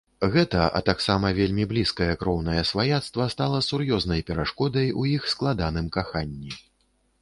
Гэта, а таксама вельмі блізкае кроўнае сваяцтва стала сур'ёзнай перашкодай у іх складаным каханні.